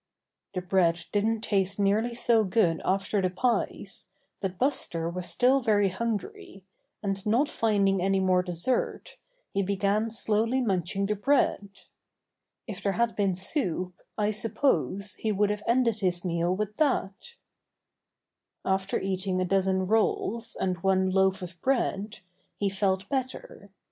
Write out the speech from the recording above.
The bread didn't taste nearly so good after the pies, but Buster was still very hungry, and, not finding any more dessert, he began slowly munching the bread. If there had been soup, Buster Meets Little Girl Again 97 I suppose, he would have ended his meal with that. After eating a dozen rolls, and one loaf of bread, he felt better.